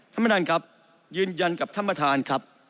ท่านประธานครับยืนยันกับท่านประธานครับ